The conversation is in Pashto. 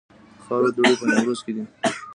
د خاورو دوړې په نیمروز کې دي